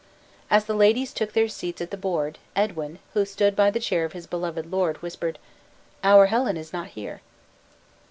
As the ladies took their seats at the board, Edwin, who stood by the chair of his beloved lord, whispered: "Our Helen is not here."